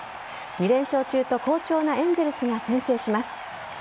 ２連勝中と好調なエンゼルスが先制します。